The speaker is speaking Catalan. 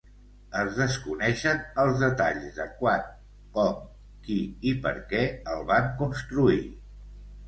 Es desconeixen els detalls de quan, com, qui i per què el van construir.